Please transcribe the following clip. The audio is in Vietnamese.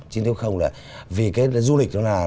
chính thiếu không là vì cái du lịch nó là